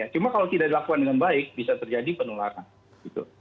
cuma kalau tidak dilakukan dengan baik bisa terjadi penularan gitu